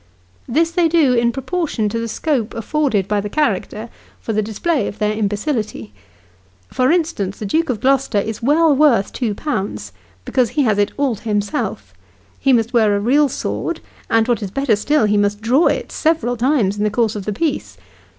This they do, in proportion to the scope afforded by the character for the display of their imbecility. For instance, the Duke of Glo'ster is well worth two pounds, because he has it all to himself; he must wear a real sword, and what is better still, he must draw it, several times in the course of the piece.